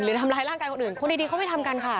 หรือทำร้ายร่างกายคนอื่นคนดีเขาไม่ทำกันค่ะ